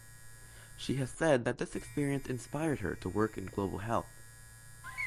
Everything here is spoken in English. She has said that this experience inspired her to work in global health.